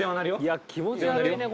いや気持ち悪いね